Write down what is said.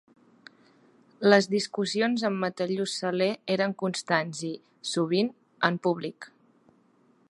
Les discussions amb Metellus Celer eren constants i, sovint, en públic.